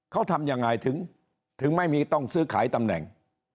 เขาทำยังไงถึงไม่มีต้องซื้อขายตำแหน่ง